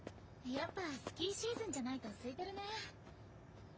やっぱスキーシーズンじゃないとすいてるね。